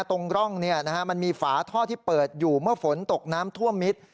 ตรงร่องมันมีฝาท่อที่เปิดอยู่เมื่อฝนตกน้ำท่วมมิตร